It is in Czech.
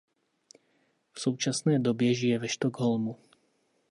V současné době žije ve Stockholmu.